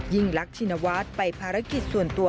ยิ่งลักษณวัฒน์ไปภารกิจส่วนตัว